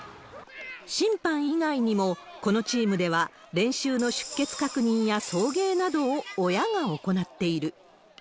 審判以外にも、このチームでは練習の出欠確認や送迎などを親が行っている。